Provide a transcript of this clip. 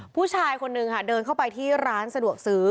ผู้ชายคนนึงค่ะเดินเข้าไปที่ร้านสะดวกซื้อ